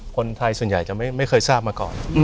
คนไทยส่วนใหญ่จะไม่เคยทราบมาก่อน